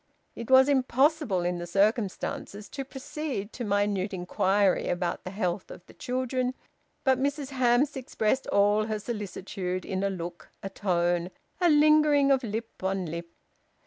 It was impossible, in the circumstances, to proceed to minute inquiry about the health of the children, but Mrs Hamps expressed all her solicitude in a look, a tone, a lingering of lip on lip.